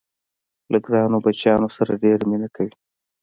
له ګرانو بچیانو سره ډېره مینه کوي.